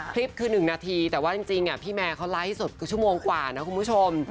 คลิปคือ๑นาทีแต่ว่าจริงพี่แมร์เขาไลฟ์สดคือชั่วโมงกว่านะคุณผู้ชม